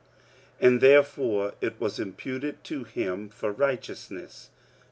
45:004:022 And therefore it was imputed to him for righteousness.